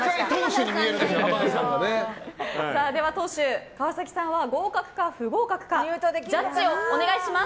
党首、川崎さんが合格か不合格かジャッジをお願いします。